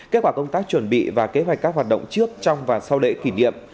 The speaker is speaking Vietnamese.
kết quả công tác chuẩn bị và kế hoạch các hoạt động trước trong và sau lễ kỷ niệm